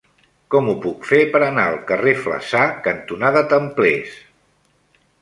Com ho puc fer per anar al carrer Flaçà cantonada Templers?